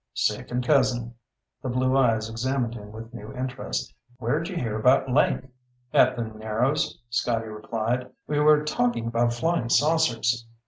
"Second cousin." The blue eyes examined him with new interest. "Where'd you hear about Link?" "At the Narrows," Scotty replied. "We were talking about flying saucers."